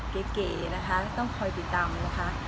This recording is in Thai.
เก๋นะคะต้องคอยติดตามนะคะ